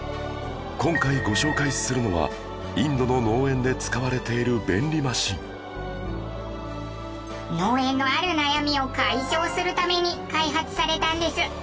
今回ご紹介するのはインドの農園で使われている便利マシン農園のある悩みを解消するために開発されたんです。